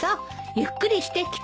ゆっくりしてきて。